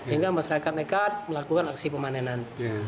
sehingga masyarakat nekat melakukan aksi pemanenan